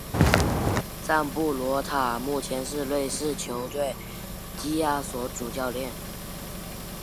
赞布罗塔目前是瑞士球队基亚索主教练。